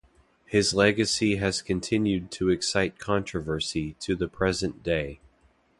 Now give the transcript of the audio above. His legacy has continued to excite controversy to the present day.